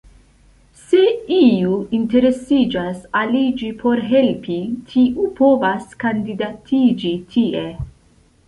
Se iu interesiĝas aliĝi por helpi, tiu povas kandidatiĝi tie.